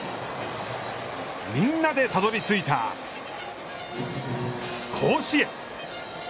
みんなでたどり着いた甲子園。